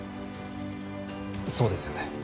そうですよね。